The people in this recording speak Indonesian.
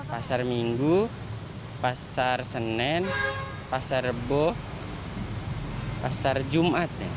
pasar minggu pasar senen pasar reboh pasar jumat